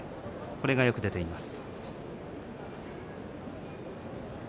これがよく出ています。